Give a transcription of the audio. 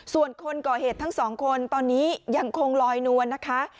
ส่วนคนก่อเหตุทั้งสองคนตอนนี้ยังคงลอยนวลนะคะ